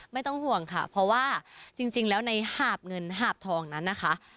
ไม่ต้องห่วงค่ะเพราะว่าจริงแล้วในหาบเงินหาบทองนั้นนะคะ